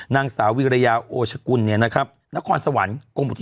ยังไงยังไงยังไงยังไง